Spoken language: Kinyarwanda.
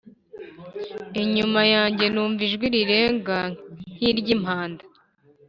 inyuma yanjye numva ijwi rirenga nk’iry’impanda